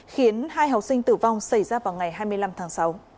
khiến hai học sinh tử vong xảy ra vào ngày hai mươi năm tháng sáu